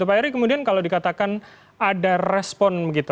pak eri kemudian kalau dikatakan ada respon begitu